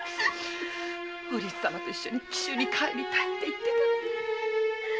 お律様と一緒に紀州に帰りたいって言ってたのに。